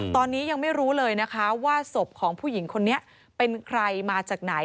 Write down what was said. ตอนนี้ยังไม่รู้เลยนะคะว่าศพของผู้หญิงคนนี้เป็นใครมาจากไหน